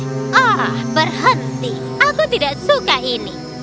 ah berhenti aku tidak suka ini